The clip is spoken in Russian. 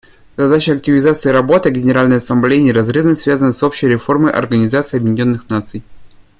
Задача активизации работы Генеральной Ассамблеи неразрывно связана с общей реформой Организации Объединенных Наций.